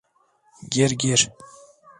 Gir, gir.